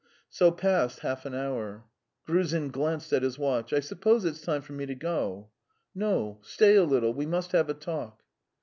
So passed half an hour. Gruzin glanced at his watch. "I suppose it's time for me to go." "No, stay a little. ... We must have a talk."